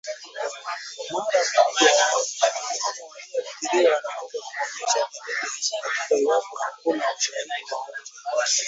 Mara moja moja mnyama aliyeathiriwa anaweza kuonyesha dalili hizi hata iwapo hakuna ushahidi wowote